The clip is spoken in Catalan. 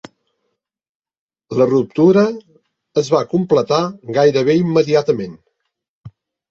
La ruptura es va completar gairebé immediatament.